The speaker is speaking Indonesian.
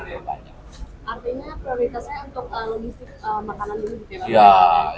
artinya prioritasnya untuk logistik makanan ini